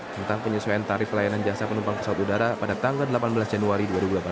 tentang penyesuaian tarif pelayanan jasa penumpang pesawat udara pada tanggal delapan belas januari dua ribu delapan belas